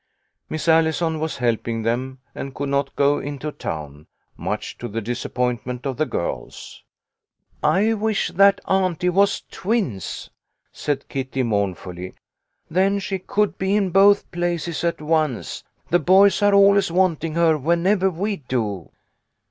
Miss Allison was helping them, and could not go into town, much to the disappointment of the girls. "I wish that auntie was twins," said Kitty, mournfully. "Then she could be in both places at once. The boys are always wanting her whenever we do."